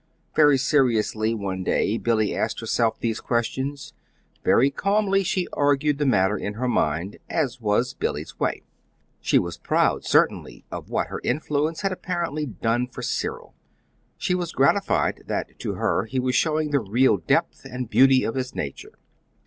Very seriously one day Billy asked herself these questions; very calmly she argued the matter in her mind as was Billy's way. She was proud, certainly, of what her influence had apparently done for Cyril. She was gratified that to her he was showing the real depth and beauty of his nature.